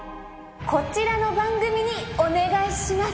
こちらの番組にお願いします。